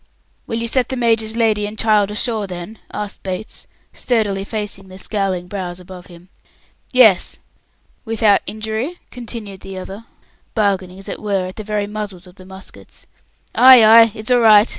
"Will you set the major's lady and child ashore, then?" asked Bates, sturdily facing the scowling brows above him. "Yes." "Without injury?" continued the other, bargaining, as it were, at the very muzzles of the muskets. "Ay, ay! It's all right!"